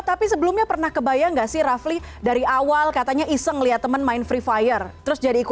tapi sebelumnya pernah kebayang gak sih rafli dari awal katanya iseng lihat temen main free fire terus jadi ikut